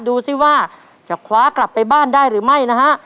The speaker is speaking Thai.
ดูสิว่าจะคว้ากลับไปบ้านได้หรือไม่นะฮะ